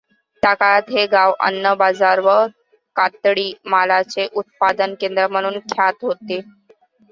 त्याकाळात हे गाव अन्नबाजार व कातडी मालाचे उत्पादनकेंद्र म्हणून ख्यात होते.